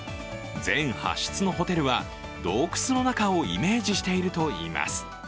全８室のホテルは、洞窟の中をイメージしているといいます。